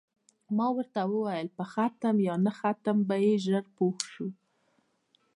ما ورته وویل: په ختم یا نه ختم به یې ژر پوه شو.